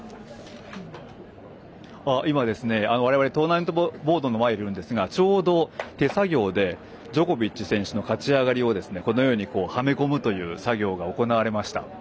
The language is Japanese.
今、我々トーナメントボードの前にいるんですがちょうど手作業でジョコビッチ選手の勝ち上がりをはめ込む作業が行われました。